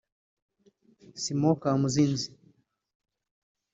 Simon Kamuzinzi